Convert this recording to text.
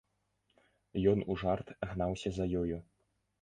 Ён у жарт гнаўся за ёю.